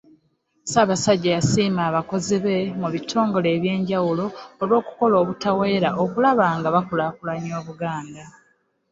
Ssaabasajja yasiima abakozi be mu bitongole eby’enjawulo olw’okukola obutaweera okulaba nga bakulaakulanya Obuganda.